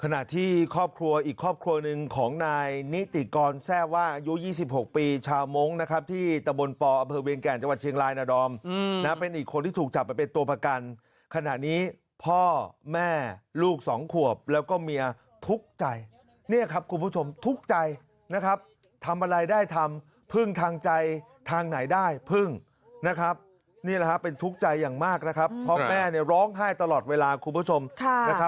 ขณะที่ครอบครัวอีกครอบครัวหนึ่งของนายนิติกรแทร่ว่ายู๒๖ปีชาวมงค์นะครับที่ตะบลปอเวียงแก่นจังหวัดเชียงรายนดอมนะเป็นอีกคนที่ถูกจับไปเป็นตัวประกันขณะนี้พ่อแม่ลูกสองขวบแล้วก็เมียทุกข์ใจเนี่ยครับคุณผู้ชมทุกข์ใจนะครับทำอะไรได้ทำพึ่งทางใจทางไหนได้พึ่งนะครับนี่ละครับเป็นทุกข์